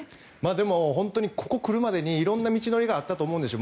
でも、本当にここに来るまでに色んな道のりがあったと思うんですよ。